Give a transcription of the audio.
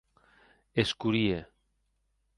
Escurie.